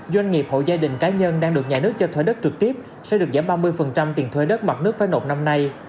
doanh nghiệp hộ gia đình cá nhân đang được nhà nước cho thuê đất trực tiếp sẽ được giảm ba mươi tiền thuê đất mặt nước phải nộp năm nay